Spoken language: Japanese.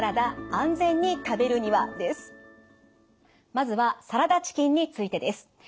まずはサラダチキンについてです。